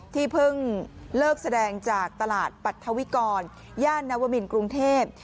เพิ่งเลิกแสดงจากตลาดปรัฐวิกรย่านนวมินกรุงเทพ